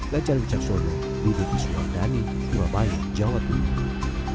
gajal wicaksojo dede kiswa dhani surabaya jawa tenggara